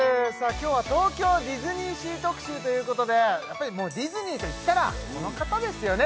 今日は東京ディズニーシー特集ということでやっぱりもうディズニーといったらこの方ですよね